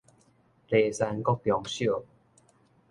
梨山國中小